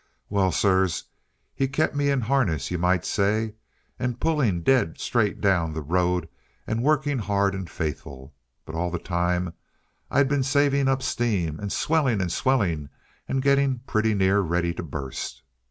Well, sirs, he kept me in harness, you might say, and pulling dead straight down the road and working hard and faithful. But all the time I'd been saving up steam, and swelling and swelling and getting pretty near ready to bust.